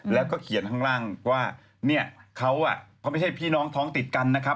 แล้วก็เขียนข้างล่างว่าเนี่ยเขาไม่ใช่พี่น้องท้องติดกันนะครับ